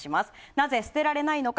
なぜ捨てられないのか？